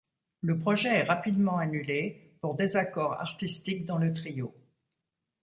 Le projet est rapidement annulé pour désaccord artistique dans le trio.